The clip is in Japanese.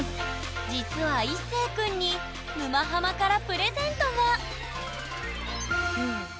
実はいっせい君に「沼ハマ」からプレゼントが！